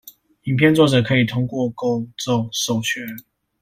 影片作者可以透過公眾授權